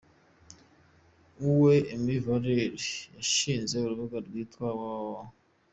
Uwe Aimé Valeur, yashinze urubuga rwitwa www.